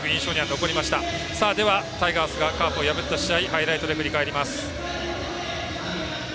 では、タイガースがカープを破った試合ハイライトで振り返ります。